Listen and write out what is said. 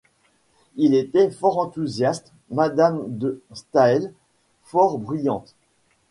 Elle était fort enthousiaste, Mme de Staël, fort bruyante.